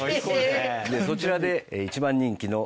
そちらで一番人気の。